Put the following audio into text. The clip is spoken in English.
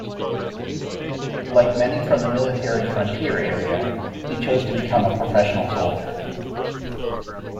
Like many from the Military Frontier area, he chose to become a professional soldier.